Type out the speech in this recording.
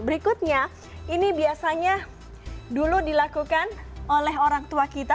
berikutnya ini biasanya dulu dilakukan oleh orang tua kita